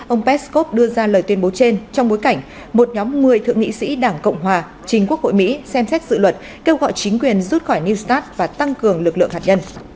ông peskov đưa ra lời tuyên bố trên trong bối cảnh một nhóm một mươi thượng nghị sĩ đảng cộng hòa chính quốc hội mỹ xem xét dự luật kêu gọi chính quyền rút khỏi new start và tăng cường lực lượng hạt nhân